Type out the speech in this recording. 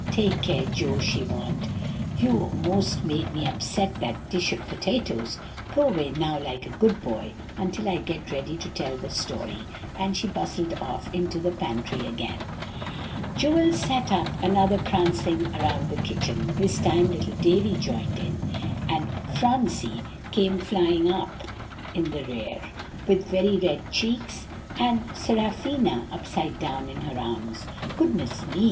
"Take care, Joe," she warned; "you most made me upset that dish of potatoes. Go away now like a good boy, until I get ready to tell the story;" and she bustled off into the pantry again. [Illustration: "Take care, Joe," she warned.] Joel set up another prancing around the kitchen. This time little Davie joined in; and Phronsie came flying up in the rear, with very red cheeks and Seraphina upside down in her arms. "Goodness me!"